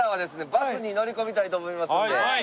バスに乗り込みたいと思いますので。